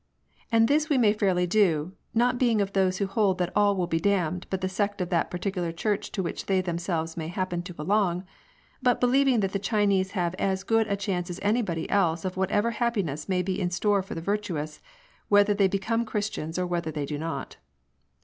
And this we may fairly do, not being of those who hold that all will be damned but the sect of that particular church to which they themselves may happen to belong ; but believing that the Chinese have as good a chance as anybody else of whatever happiness may be in store for the virtuous, whether they become Christians or whether they do not.